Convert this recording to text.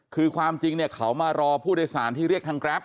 คือความจริงเนี่ยเขามารอผู้โดยสารที่เรียกทางแกรป